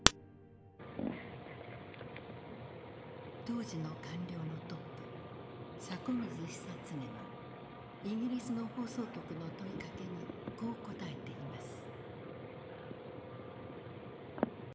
当時の官僚のトップ迫水久常はイギリスの放送局の問いかけにこう答えています。